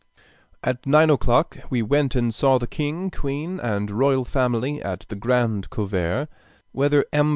At nine o'clock we went and saw the king, queen, and royal family, at the grand couvert. Whether M.